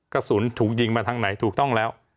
กระสุนถูกยิงมาทางไหนถูกต้องแล้ว